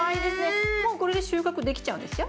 もうこれで収穫できちゃうんですよ。